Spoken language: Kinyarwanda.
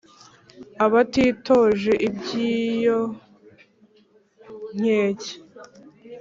abatitoje iby’iyo nkeke,